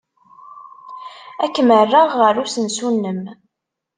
Ad kem-rreɣ ɣer usensu-nnem.